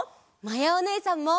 まやおねえさんも。